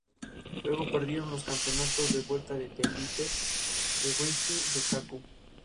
Esto produce un más sencillo y menos desordenado árbol de directorios.